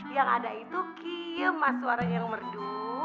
yang ada itu kiem suaranya yang merdu